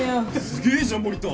すげえじゃん守田。